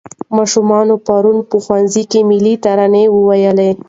ماشومانو پرون په ښوونځي کې ملي ترانه وویله.